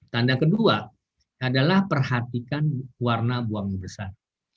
tanda kedua adalah perhatikan warna buang besar